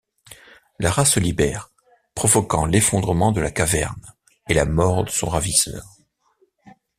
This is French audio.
Lara se libère, provoquant l'effondrement de la caverne et la mort de son ravisseur.